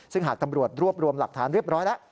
ซึ่งหากตำรวจรวบรวมหลักฐานเรียบร้อยแล้ว